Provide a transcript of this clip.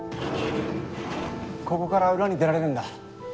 ここから裏に出られるんだ。